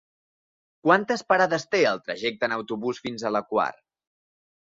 Quantes parades té el trajecte en autobús fins a la Quar?